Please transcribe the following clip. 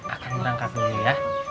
akan berangkat dulu ya